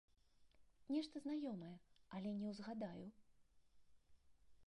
Нешта знаёмае, але не ўзгадаю!